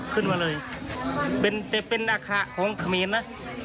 ขึ้นมาเลยเป็นอาคารของเขมีนนะ